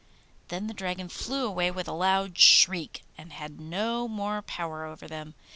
Then the Dragon flew away with a loud shriek, and had no more power over them.